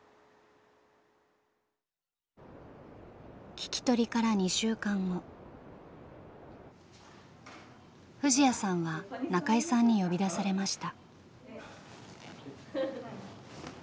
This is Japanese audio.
聞き取りから藤彌さんは中井さんに呼び出されました。